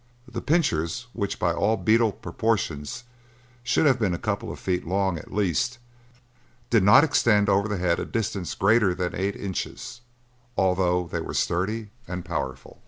The pinchers, which by all beetle proportions should have been a couple of feet long at the least, did not extend over the head a distance greater than eight inches, although they were sturdy and powerful.